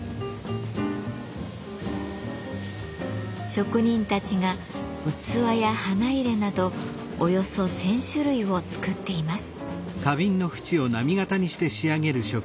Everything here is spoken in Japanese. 職人たちが器や花入れなどおよそ１，０００種類を作っています。